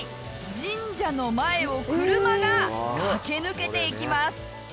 神社の前を車が駆け抜けていきます！